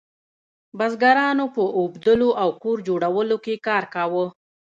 بزګرانو په اوبدلو او کور جوړولو کې کار کاوه.